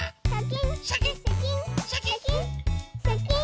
シャキン